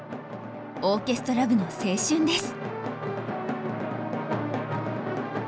オーケストラ部の青春です。